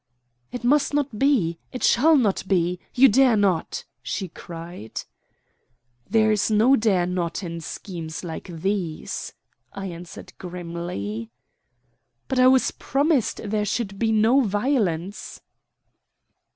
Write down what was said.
"It must not be. It shall not be. You dare not," she cried. "There is no dare not in schemes like these," I answered grimly. "But I was promised there should be no violence."